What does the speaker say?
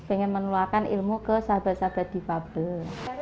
ingin menularkan ilmu ke sahabat sahabat difabel